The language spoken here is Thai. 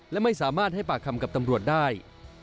และไม่สามารถให้ปากคำกับตำรวจได้